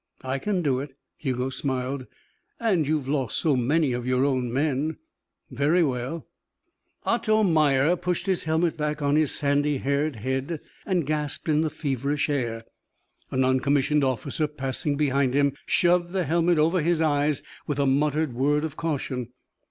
"I can do it." Hugo smiled. "And you've lost so many of your own men " "Very well." Otto Meyer pushed his helmet back on his sandy haired head and gasped in the feverish air. A non commissioned officer passing behind him shoved the helmet over his eyes with a muttered word of caution.